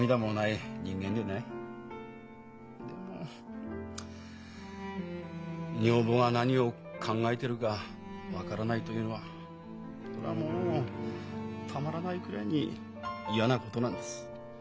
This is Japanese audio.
でも女房が何を考えてるか分からないというのはそりゃもうたまらないくらいに嫌なことなんです。